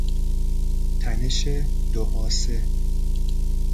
تنش دو آسه